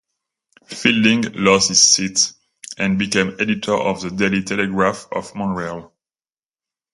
Fielding lost his seat, and became editor of the "Daily Telegraph" of Montreal.